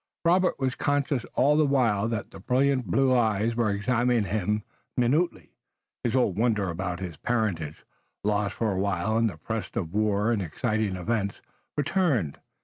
Robert was conscious all the while that the brilliant blue eyes were examining him minutely. His old wonder about his parentage, lost for a while in the press of war and exciting events, returned.